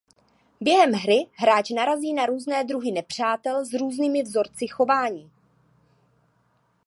Během hry hráč narazí na různé druhy nepřátel s různými vzorci chování.